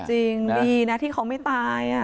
จริงดีนะที่เขาไม่ตาย